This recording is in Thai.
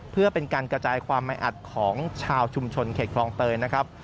เพื่อเป็นการกระจายความไม่อัดของชาวชุมชนเขตคลองเตยนะครับ